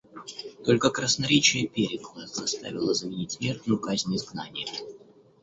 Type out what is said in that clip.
Только красноречие Перикла заставило заменить смертную казнь изгнанием.